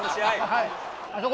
はい。